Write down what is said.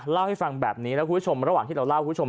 เล่าให้ฟังแบบนี้แล้วคุณผู้ชม